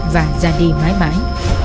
và ra đi mãi mãi